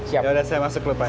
ya udah saya masuk dulu pak